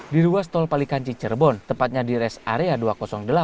di ruas tol palikanci cirebon tepatnya di res area dua ratus delapan